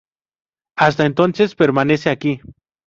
Hasta entonces, permanece aquí.